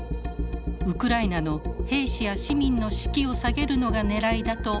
ウクライナの兵士や市民の士気を下げるのがねらいだと見られています。